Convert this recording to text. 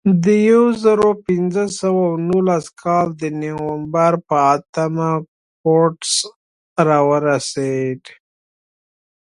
د یو زرو پینځه سوه نولس کال د نومبر په اتمه کورټز راورسېد.